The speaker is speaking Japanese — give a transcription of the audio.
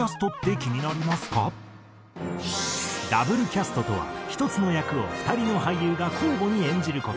Ｗキャストとは１つの役を２人の俳優が交互に演じる事。